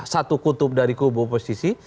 satu kutub dari kubu oposisi